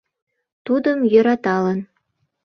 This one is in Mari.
Тудым, йӧраталын